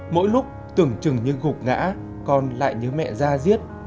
mỗi lúc tưởng chừng như gục ngã con lại nhớ mẹ ra diết